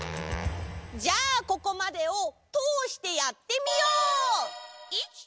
じゃあここまでをとおしてやってみよう！